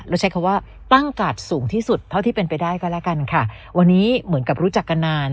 ใช้คำว่าตั้งกาดสูงที่สุดเท่าที่เป็นไปได้ก็แล้วกันค่ะวันนี้เหมือนกับรู้จักกันนาน